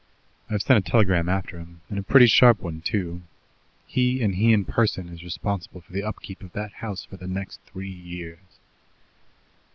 "I've sent a telegram after him, and a pretty sharp one, too. He, and he in person is responsible for the upkeep of that house for the next three years."